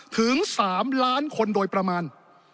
ถึง๓ล้านคนโดยประมาณ